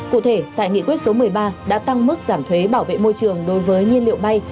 cụ thể tại nghị quyết số một mươi ba đã tăng mức giảm thuế bảo vệ môi trường đối với nhiên liệu bay